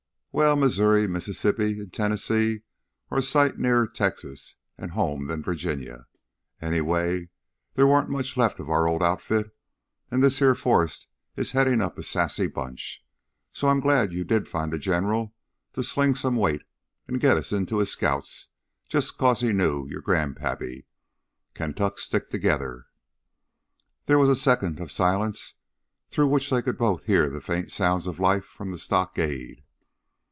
"Well, Missouri, Mississippi, an' Tennessee are a sight nearer Texas an' home than Virginia. Anyway, theah warn't much left of our old outfit, an' this heah Forrest is headin' up a sassy bunch. So I'm glad you did find you a general to sling some weight an' git us into his scouts jus' 'cause he knew your grandpappy. Kaintucks stick together...." There was a second of silence through which they could both hear the faint sounds of life from the stockade.